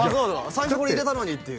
最初これ入れたのにっていう